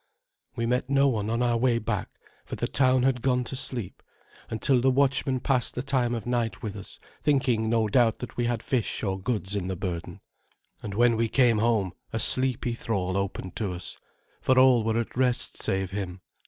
We met no one on our way back, for the town had gone to sleep, until the watchman passed the time of night with us, thinking no doubt that we had fish or goods in the burden. And when we came home a sleepy thrall opened to us, for all were at rest save him.